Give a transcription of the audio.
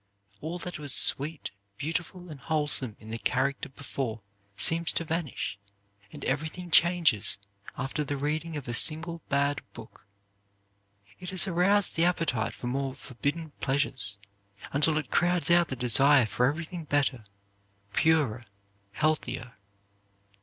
All that was sweet, beautiful, and wholesome in the character before seems to vanish, and everything changes after the reading of a single bad book. It has aroused the appetite for more forbidden pleasures, until it crowds out the desire for everything better, purer, healthier.